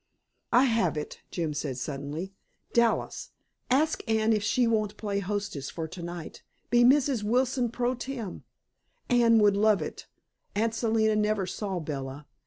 "I have it," Jim said suddenly. "Dallas, ask Anne if she won't play hostess for tonight. Be Mrs. Wilson pro tem. Anne would love it. Aunt Selina never saw Bella.